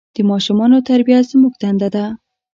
د ماشومان تربیه زموږ دنده ده.